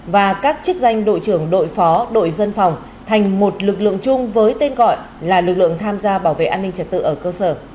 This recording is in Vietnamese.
và các chức danh đội trưởng đội phó đội dân phòng thành một lực lượng chung với tên gọi là lực lượng tham gia bảo vệ an ninh trật tự ở cơ sở